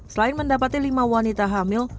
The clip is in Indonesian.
selain mendapati lima wanita hamil